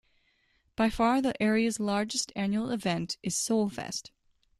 By far the area's largest annual event is Solfest.